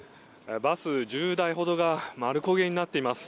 バス１０台ほどが丸焦げになっています。